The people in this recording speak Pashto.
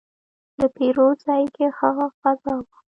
د پیرود ځای کې ښه فضا وه.